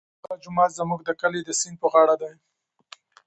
دغه جومات زموږ د کلي د سیند پر غاړه دی.